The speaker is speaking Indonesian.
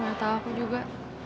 gak tau aku juga